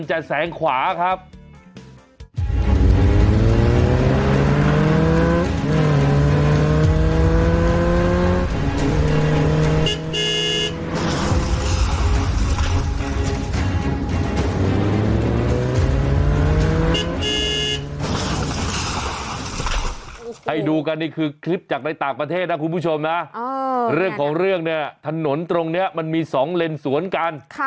ให้กันนี่คือคลิปจากในต่างประเทศนะคุณผู้ชมนะเรื่องของเรื่องเนี่ยถนนตรงนี้มันมี๒เลนสวนกัน